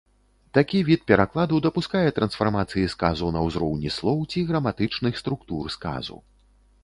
Такі від перакладу дапускае трансфармацыі сказу на ўзроўні слоў ці граматычных структур сказу.